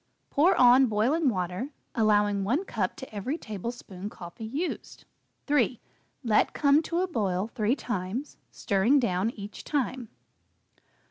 Pour on boiling water, allowing 1 cup to every tablespoon coffee used. 3. Let come to a boil three times, stirring down each time.